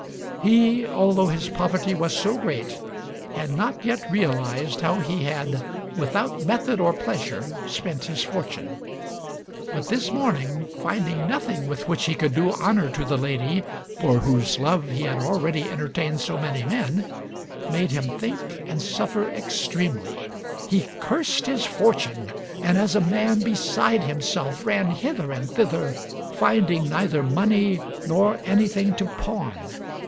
He, although his poverty was so great, had not yet realized how he had, without method or pleasure, spent his fortune; but this morning, finding nothing with which he could do honor to the lady for whose love he had already entertained so many men, made him think and suffer extremely; he cursed his fortune, and as a man beside himself ran hither and thither, finding neither money nor anything to pawn.